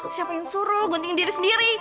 siapa yang suruh gunting diri sendiri